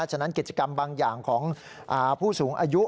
ฉะนั้นกิจกรรมบางอย่างของผู้สูงอายุ